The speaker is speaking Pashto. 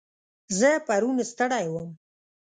زه پرون ستړی وم.